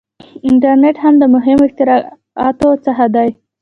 • انټرنېټ هم د مهمو اختراعاتو څخه دی.